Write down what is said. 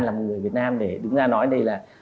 là một người việt nam để đứng ra nói đây là